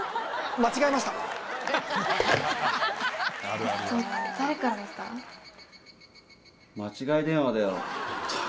間違い電話だよ。